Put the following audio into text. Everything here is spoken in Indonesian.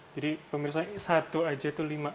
jadi pemirsa satu aja itu lima